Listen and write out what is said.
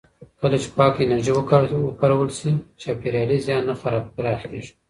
کله چې پاکه انرژي وکارول شي، چاپېریالي زیان نه پراخېږي.